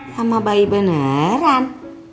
sama bayi beneran